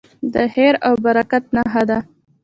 د خیر او برکت نښه ده.